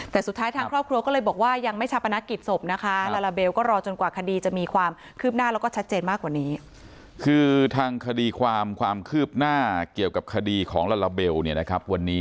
แต่สุดท้ายทางครอบครัวก็เลยบอกว่ายังไม่ชัดนะเกียรติศพนะคะ